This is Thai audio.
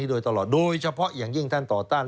สวัสดีครับคุณผู้ชมค่ะต้อนรับเข้าที่วิทยาลัยศาสตร์